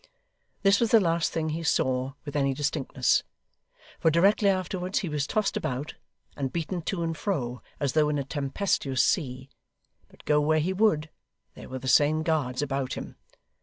This was the last thing he saw with any distinctness, for directly afterwards he was tossed about, and beaten to and fro, as though in a tempestuous sea. But go where he would, there were the same guards about him.